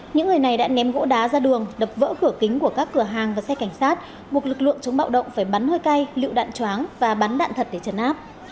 những người này đã ném gỗ đá ra đường đập vỡ cửa kính của các cửa hàng và xe cảnh sát buộc lực lượng chống bạo động phải bắn hơi cay lựu đạn choáng và bắn đạn thật để trần áp